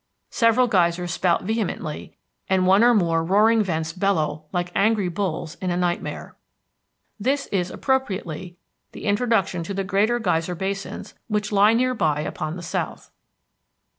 Several geysers spout vehemently and one or more roaring vents bellow like angry bulls in a nightmare. This is appropriately the introduction to the greater geyser basins which lie near by upon the south.